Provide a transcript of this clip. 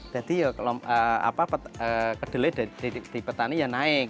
jadi ya kedelai di petani ya naik